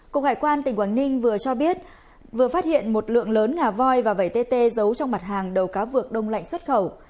cục hải quan tỉnh quảng ninh vừa cho biết vừa phát hiện một lượng lớn ngà voi và vẩy tê giấu trong mặt hàng đầu cá vược đông lạnh xuất khẩu